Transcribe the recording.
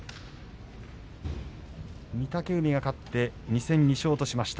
御嶽海が勝って２戦２勝としました。